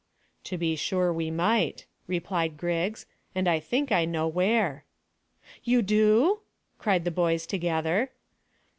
"To be sure we might," replied Griggs, "and I think I know where." "You do?" cried the boys together.